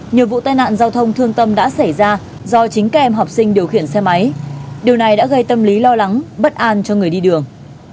nhiều vụ tai nạn giao thông thương tâm đã xảy ra do chính các em học sinh điều khiển xe máy điều này đã gây tâm lý lo lắng bất an cho người đi đường